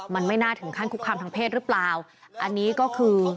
มันไม่น่าถึงขั้นคุกคามทางเพศหรือเปล่าอันนี้ก็คือ